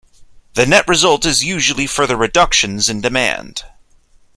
The net result is usually further reductions in demand.